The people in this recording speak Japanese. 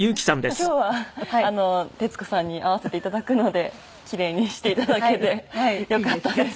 今日は徹子さんに会わせて頂くので奇麗にして頂けてよかったです。